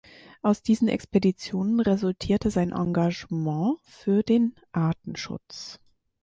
Aus diesen Expeditionen resultierte sein Engagement für den Artenschutz.